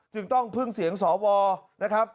จึงต้องพึ่งเสียงสอวร์